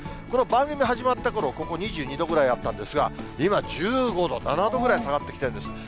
この番組が始まったころ、ここ、２２度ぐらいあったんですが、今、１５度、７度ぐらい下がってきているんです。